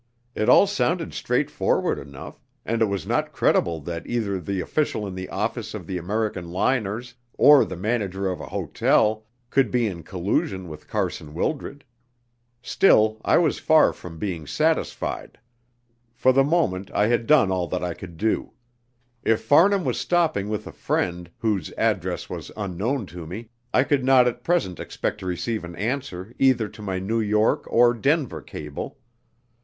It all sounded straightforward enough, and it was not credible that either the official in the office of the American liners, or the manager of an hotel, could be in collusion with Carson Wildred. Still, I was far from being satisfied. For the moment I had done all that I could do. If Farnham was stopping with a friend, whose address was unknown to me, I could not at present expect to receive an answer either to my New York or Denver cable.